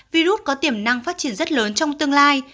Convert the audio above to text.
virus có tiềm năng phát triển rất lớn trong tương lai